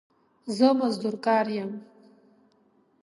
زه مزدور کار يم